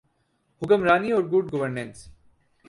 حکمرانی اورگڈ گورننس۔